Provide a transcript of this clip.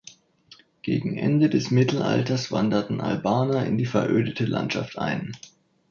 Gegen Ende des Mittelalters wanderten Albaner in die verödete Landschaft ein.